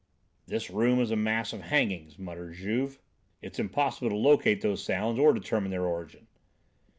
"This room is a mass of hangings," muttered Juve. "It's impossible to locate those sounds or determine their origin."